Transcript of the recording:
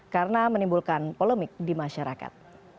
karena menimbulkan polemik di masyarakat